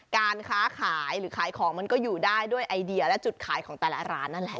การค้าขายหรือขายของมันก็อยู่ได้ด้วยไอเดียและจุดขายของแต่ละร้านนั่นแหละ